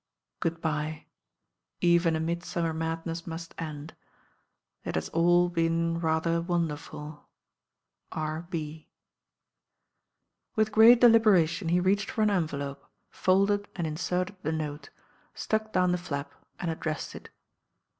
Good bye; even a midsummer madness must end. It has all been rather wonderfuL *'R B *' With great deliberation he reached for 'an' en ftlope, folded and inserted the note, studc down t04 THE RAIN GIRL i the flap and addressed it.